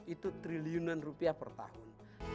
itu triliunan rupiah per tahun